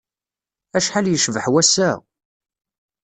Acḥal yecbeḥ wass-a!